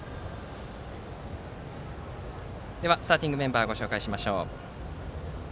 では、スターティングメンバーをご紹介します。